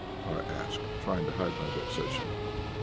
I asked, trying to hide my vexation.